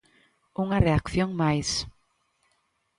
Unha reacción máis.